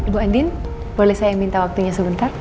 bu andin boleh saya minta waktunya sebentar